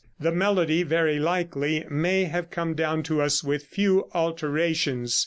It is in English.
The melody, very likely, may have come down to us with few alterations.